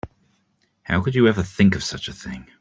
How could you ever think of such a thing?